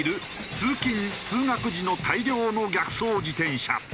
通学時の大量の逆走自転車。